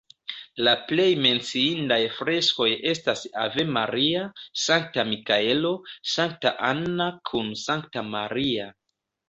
La plej menciindaj freskoj estas Ave Maria, Sankta Mikaelo, Sankta Anna kun Sankta Maria.